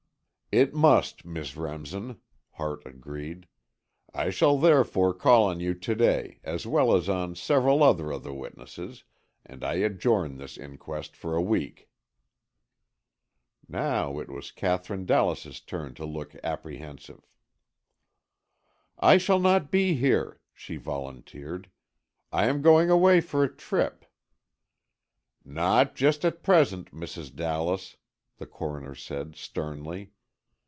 "It must, Miss Remsen," Hart agreed. "I shall therefore call on you to day, as well as on several other of the witnesses, and I adjourn this inquest for a week." Now it was Katherine Dallas's turn to look apprehensive. "I shall not be here," she volunteered. "I am going away for a trip——" "Not just at present, Mrs. Dallas," the Coroner said, sternly.